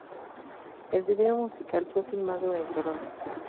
El vídeo musical fue filmado en Toronto.